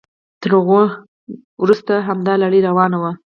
تر هغوی وروسته همدا لړۍ روانه وه.